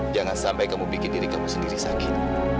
jangan sampai kamu bikin diri kamu sendiri sakit